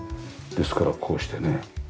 ですからこうしてね。